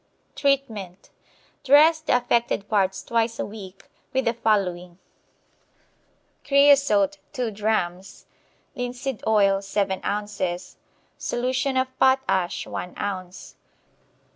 Treatment Dress the affected parts twice a week with the following: Creosote, 2 drachms; linseed oil, 7 ounces; solution of potash, 1 ounce.